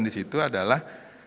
di situ adalah